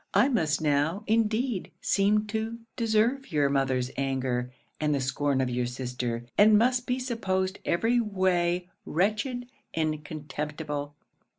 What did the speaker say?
I must now, indeed, seem to deserve your mother's anger, and the scorn of your sister; and must be supposed every way wretched and contemptible.'